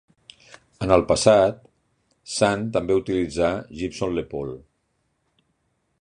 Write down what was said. En el passat, Sane també utilitzà Gibson Les Pauls.